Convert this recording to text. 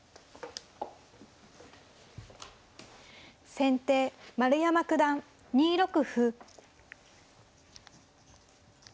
先手丸山九段２六歩。